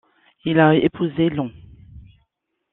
Il a épousé l' Hon.